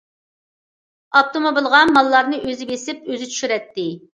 ئاپتوموبىلغا ماللارنى ئۆزى بېسىپ، ئۆزى چۈشۈرەتتى.